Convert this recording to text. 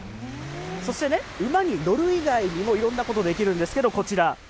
そしてね、海に乗る以外にもいろんなことできるんですけど、こちら。